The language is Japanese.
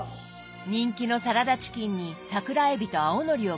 人気のサラダチキンに桜えびと青のりを加えた餃子。